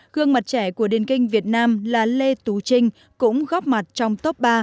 gương mặt trẻ của điền kinh việt nam là lê tú trinh cũng góp mặt trong top ba